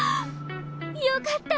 よかった！